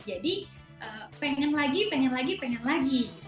jadi pengen lagi pengen lagi pengen lagi